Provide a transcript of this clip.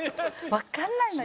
わからないのよ。